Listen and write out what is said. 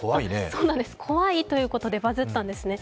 そうです、怖いということでバズったんですね。